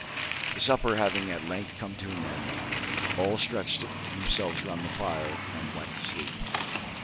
The supper having at length come to an end, all stretched themselves around the fire and went to sleep.